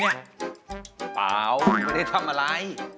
มาโตไม่ได้ทำอะไร